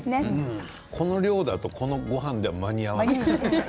この量だとこのごはんでも間に合わない。